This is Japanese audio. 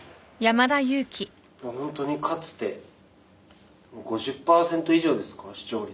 ホントにかつて５０％以上ですか視聴率。